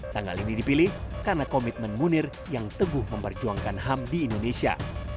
tanggal ini dipilih karena komitmen munir yang teguh memperjuangkan ham di indonesia